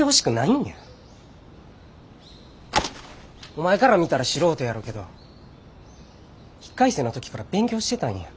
お前から見たら素人やろうけど１回生の時から勉強してたんや。